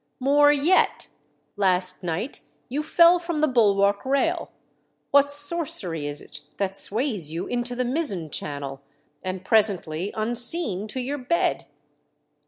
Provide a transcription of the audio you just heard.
" More yet! Last night you fell from the bulwark rail. What sorcery is it that sways you into the mizzen channel and presently, unseen, to your bed